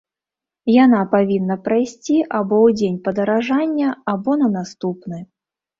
Яна павінна прайсці або ў дзень падаражання, або на наступны.